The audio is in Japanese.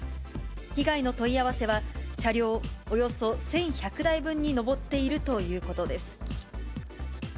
被害の問い合わせは、車両およそ１１００台分に上っているということです。